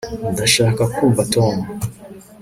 ndashaka kumva tom